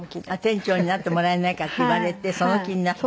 店長になってもらえないかって言われてその気になった。